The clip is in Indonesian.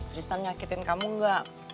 tristan nyakitin kamu gak